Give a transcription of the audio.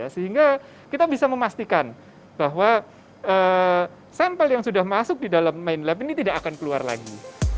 sehingga kita bisa memastikan bahwa sampel yang sudah masuk di dalam main lab ini tidak akan keluar lagi